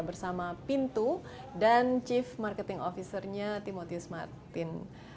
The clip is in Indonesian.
bersama pintu dan chief marketing officernya timotius martin